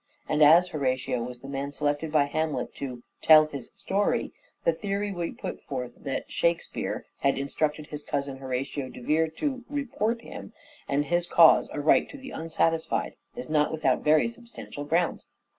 And as Horatio was the man selected by Hamlet to " tell his story," the theory we put forward, that " Shake speare " had instructed his cousin Horatio de Vere to " report him and his cause aright to the unsatisfied," is not without very substantial grounds.